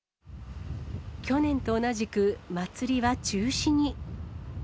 去年と同じく、祭りは中止に。